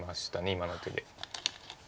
今の手で。